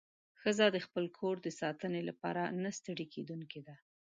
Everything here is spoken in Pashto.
ښځه د خپل کور د ساتنې لپاره نه ستړې کېدونکې ده.